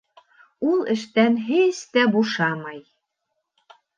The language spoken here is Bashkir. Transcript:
Ул эштән һис тә бушамай.